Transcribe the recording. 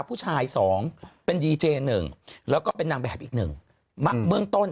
ผู้ชายสองเป็นดีเจหนึ่งแล้วก็เป็นนางแบบอีกหนึ่งเบื้องต้น